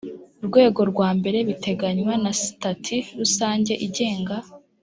rwego rwa mbere biteganywa na sitati rusange igenga